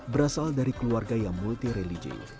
berasal dari keluarga yang multi religi